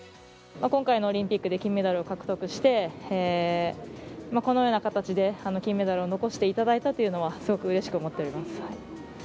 今回のオリンピックで金メダルを獲得して、このような形で金メダルを残していただいたというのは、すごくうれしく思っております。